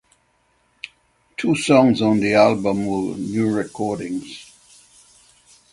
Two songs on the album were new recordings.